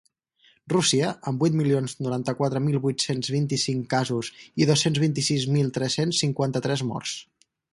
Rússia, amb vuit milions noranta-quatre mil vuit-cents vint-i-cinc casos i dos-cents vint-i-sis mil tres-cents cinquanta-tres morts.